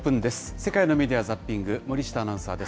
世界のメディア・ザッピング、森下アナウンサーです。